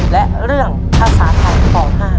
และเรื่องภาษาไทยป๕